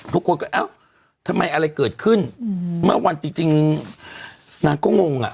ทุกคนก็เอ้าทำไมอะไรเกิดขึ้นเมื่อวันจริงนางก็งงอ่ะ